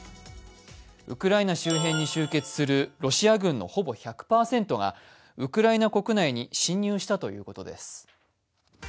ウクライナ周辺に集結するロシア軍のほぼ１００％がウクライナ国内に侵入したということです。